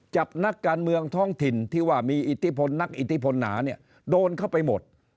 นักการเมืองท้องถิ่นที่ว่ามีอิทธิพลนักอิทธิพลหนาเนี่ยโดนเข้าไปหมด